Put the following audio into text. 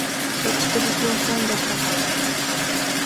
La expedición fue un desastre.